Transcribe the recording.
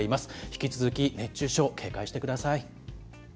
引き続き熱中症、警戒してください。